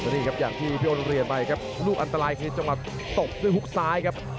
นี่ครับอย่างที่พี่โอนเรียนไปครับลูกอันตรายคือจังหวะตบด้วยฮุกซ้ายครับ